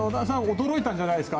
驚いたんじゃないですか。